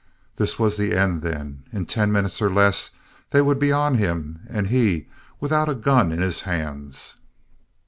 This was the end, then. In ten minutes, or less, they would be on him, and he without a gun in his hands!